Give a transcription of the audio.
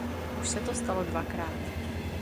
Už se to stalo dvakrát.